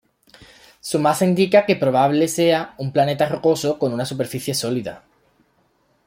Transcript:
Su masa indica que probable sea un planeta rocoso con una superficie sólida.